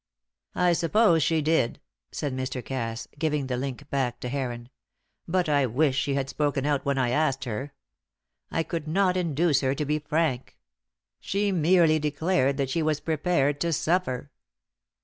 "I suppose she did," said Mr. Cass, giving the link back to Heron. "But I wish she had spoken out when I asked her. I could not induce her to be frank. She merely declared that she was prepared to suffer.